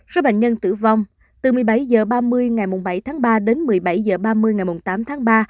số bệnh nhân tử vong từ một mươi bảy h ba mươi ngày bảy tháng ba đến một mươi bảy h ba mươi ngày tám tháng ba